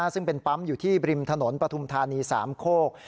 ซึ่งเป็นปั๊มอยู่ที่บริมถนนปฐุมธานีสามโคก